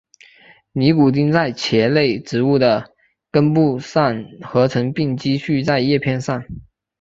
尼古丁在茄科植物的根部上合成并蓄积在叶片上。